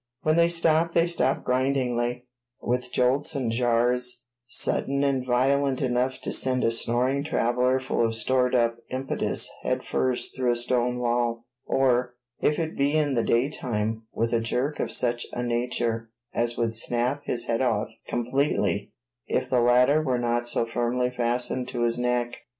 When they stop they stop grindingly, with jolts and jars sudden and violent enough to send a snoring traveler full of stored up impetus head first through a stone wall; or, if it be in the daytime, with a jerk of such a nature as would snap his head off completely if the latter were not so firmly fastened to his neck.